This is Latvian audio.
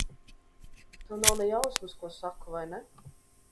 Tev nav ne jausmas, ko saku, vai ne?